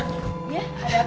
iya ada apa